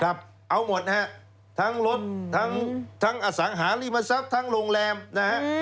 เอาหมดนะฮะทั้งรถทั้งอสังหาริมทรัพย์ทั้งโรงแรมนะฮะ